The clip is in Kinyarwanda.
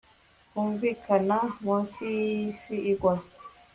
Kumvikana munsi yisi igwa